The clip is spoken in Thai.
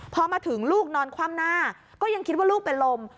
พอมาถึงลูกนอนคว่ำหน้าก็ยังคิดว่าลูกเป็นลม